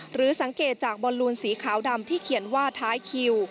หรือสังเกตจากบอลลูนสีขาวดำที่เขียนว่าท้ายคิว